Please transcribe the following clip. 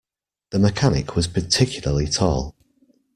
The mechanic was particularly tall.